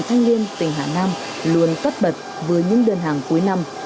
tây nguyên tỉnh hà nam luôn tất bật với những đơn hàng cuối năm